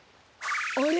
あれ？